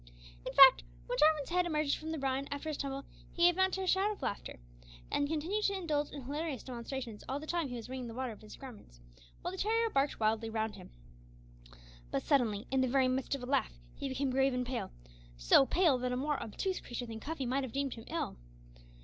In fact, when Jarwin's head emerged from the brine, after his tumble, he gave vent to a shout of laughter, and continued to indulge in hilarious demonstrations all the time he was wringing the water out of his garments, while the terrier barked wildly round him. But suddenly, in the very midst of a laugh, he became grave and pale, so pale, that a more obtuse creature than Cuffy might have deemed him ill.